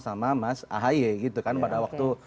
sama mas ahy gitu kan pada waktu